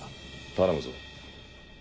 頼むぞ。